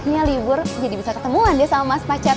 ini libur jadi bisa ketemuan deh sama mas pacar